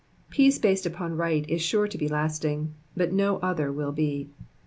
319 Peace based upon right is sure to be lasting, but no other will be.